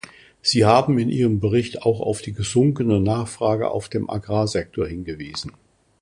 Sie haben in Ihrem Bericht auch auf die gesunkene Nachfrage auf dem Agrarsektor hingewiesen.